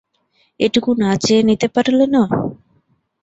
এটুকু না চেয়ে নিতে পারলে না?